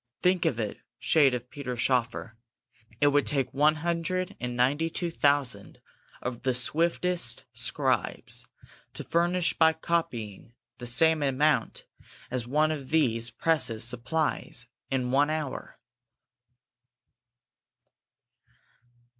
Think of it, shade of Peter Schoeffer, it would take one hundred and ninety two thousand of the swiftest scribes to furnish by copying the same amount as one of these presses supplies in one hour!